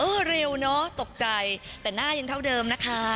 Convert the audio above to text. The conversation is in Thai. เร็วเนอะตกใจแต่หน้ายังเท่าเดิมนะคะ